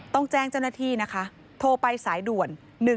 ต้องแจ้งเจ้าหน้าที่นะคะโทรไปสายด่วน๑๒